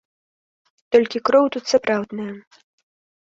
Толькі кроў тут сапраўдная.